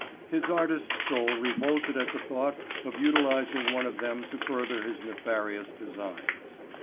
His artist's soul revolted at the thought of utilizing one of them to further his nefarious designs.